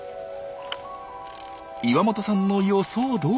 岩本さんの予想どおりです。